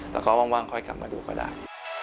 แล้วก็ว่างค่อยกลับมาดูก็ได้